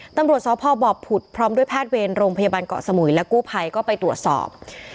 ตำรวจสพบผุดพร้อมด้วยแพทย์เวรโรงพยาบาลเกาะสมุยและกู้ภัยก็ไปตรวจสอบ